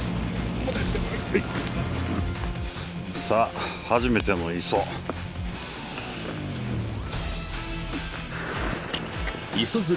さぁ初めての磯